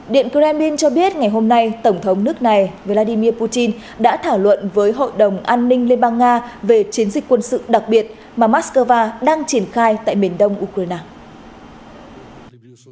điện kremlin cho biết ngày hôm nay tổng thống nước này vladimir putin đã thảo luận với hội đồng an ninh liên bang nga về chiến dịch quân sự đặc biệt mà moscow đang triển khai tại miền đông ukraine